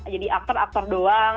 jadi aktor aktor doang